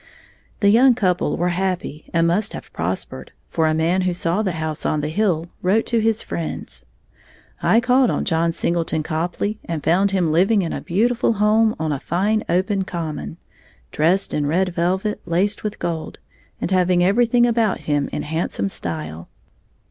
The young couple were happy and must have prospered, for a man who saw the house on the hill wrote to his friends: "I called on John Singleton Copley and found him living in a beautiful home on a fine open common; dressed in red velvet, laced with gold, and having everything about him in handsome style."